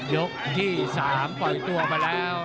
ยกที่๓ปล่อยตัวมาแล้ว